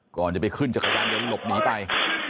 ก่อนจะไปขึ้นจะขยายลบหนีไป